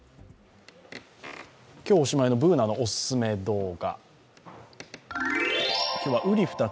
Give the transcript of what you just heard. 今日おしまいのＢｏｏｎａのおすすめ動画。